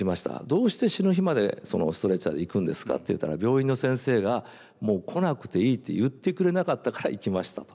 「どうして死ぬ日までストレッチャーで行くんですか？」って言ったら「病院の先生が『もう来なくていい』って言ってくれなかったから行きました」と。